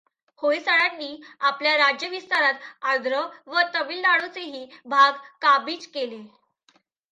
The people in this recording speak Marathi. होयसाळांनी आपल्या राज्यविस्तारात आंध्र व तमिळनाडूचेही भाग काबिज केले होते.